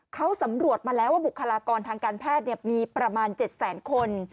เขาสำรวจมาแล้วว่าบุคลากรทางการแพทย์มีประมาณ๗แสนคน